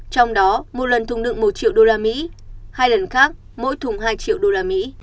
trong đó một lần thùng đựng một triệu usd hai lần khác mỗi thùng hai triệu usd